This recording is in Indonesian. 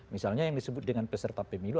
misalnya yang disebut dengan peserta pemilu